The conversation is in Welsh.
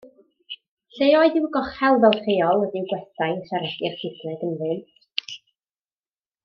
Lleoedd i'w gochel fel rheol ydyw gwestai y siaredir Saesneg ynddynt.